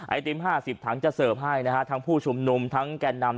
ไอติม๕๐ถังจะเสิร์ฟให้นะฮะทั้งผู้ชุมนุมทั้งแก่นำ